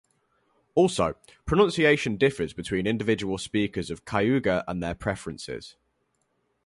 Also, pronunciation differs between individual speakers of Cayuga and their preferences.